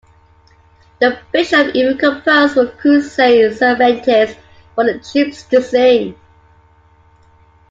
The bishop even composed pro-Crusade "sirventes" for the troops to sing.